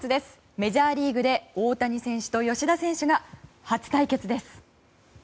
メジャーリーグで大谷選手と吉田選手が初対決です。